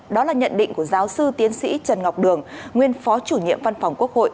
đó là nhận định của giáo sư tiến sĩ trần ngọc đường nguyên phó chủ nhiệm văn phòng quốc hội